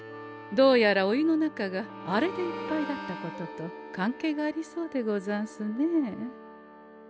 どうやらお湯の中があれでいっぱいだったことと関係がありそうでござんすねえ。